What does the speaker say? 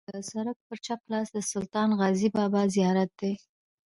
د سړک پر چپ لاس د سلطان غازي بابا زیارت دی.